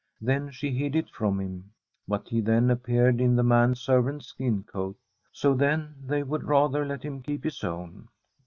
Then she hid it from him ; but he then appeared in the man servant's skin coat. So then they would rather let him keep his own.